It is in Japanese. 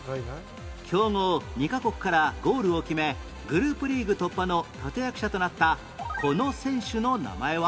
強豪２カ国からゴールを決めグループリーグ突破の立役者となったこの選手の名前は？